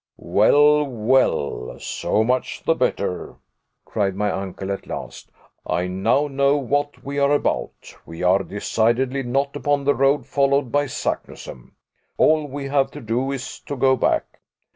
"Well, well, so much the better," cried my uncle, at last, "I now know what we are about. We are decidedly not upon the road followed by Saknussemm. All we have to do is to go back.